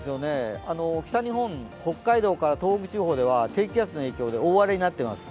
北日本、北海道から東北地方では低気圧の影響で大荒れになっています。